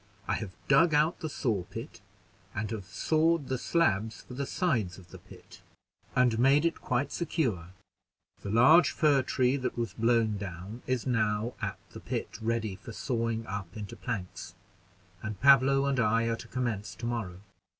I have dug out the saw pit, and have sawed the slabs for the sides of the pit, and made it quite secure. The large fir tree that was blown down is now at the pit, ready for sawing up into planks, and Pablo and I are to commence to morrow.